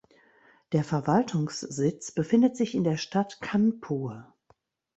Der Verwaltungssitz befindet sich in der Stadt Kanpur.